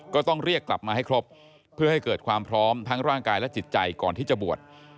ก็ต้องเรียกกลับมาให้ครบเพื่อให้เกิดความพร้อมทั้งร่างกายและจิตใจก่อนที่จะบวช